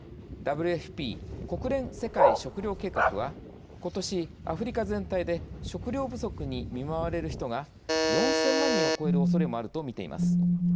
ＷＦＰ＝国連世界食糧計画はことし、アフリカ全体で食糧不足に見舞われる人が４０００万人を超えるおそれもあると見ています。